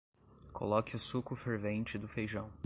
Coloque o suco fervente do feijão.